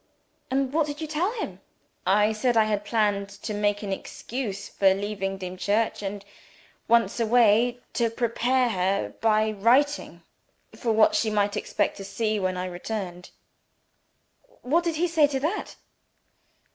"And what did you tell him?" "I said I had planned to make an excuse for leaving Dimchurch and, once away, to prepare her, by writing, for what she might expect to see when I returned." "What did he say to that?"